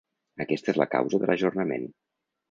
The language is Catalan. Aquesta és la causa de l’ajornament.